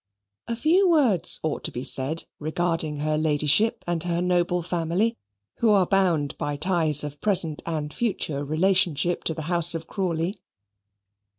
A few words ought to be said regarding her Ladyship and her noble family, who are bound by ties of present and future relationship to the house of Crawley.